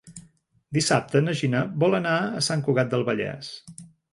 Dissabte na Gina vol anar a Sant Cugat del Vallès.